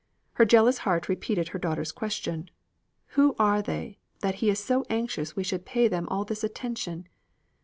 Her jealous heart repeated her daughter's question, "Who are they, that he is so anxious we should pay them all this attention?"